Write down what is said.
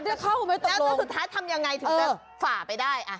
แล้วที่สุดท้ายทำยังไงถึงจะฝ่าไปได้